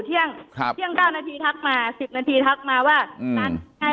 เที่ยง๙นาทีถักมา๑๐นาทีถักมาว่า